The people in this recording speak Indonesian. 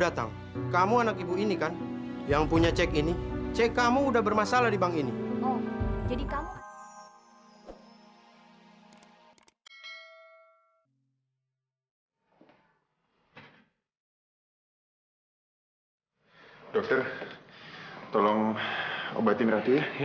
sampai jumpa di video selanjutnya